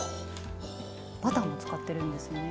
バターも使っているんですね。